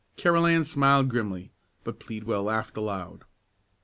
Carolan smiled grimly, but Pleadwell laughed aloud.